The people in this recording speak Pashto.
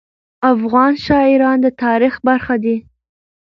افغان شاعران د تاریخ برخه دي.